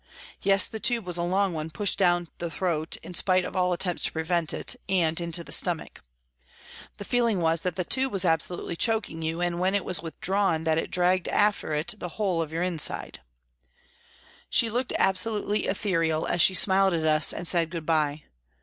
Yes, the tube was a long one, pushed down the throat, in spite of all attempts to prevent it, and into the stomach. The feeling was that the tube was absolutely choking you, and when it was withdrawn that it dragged after it the whole of your inside. 202 PRISONS AND PRISONERS She looked absolutely ethereal as she smiled at us and said " Good bye."